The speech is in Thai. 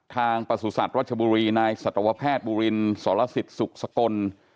ประสุทธิ์รัชบุรีนายสัตวแพทย์บุรินสรสิทธิ์สุขสกล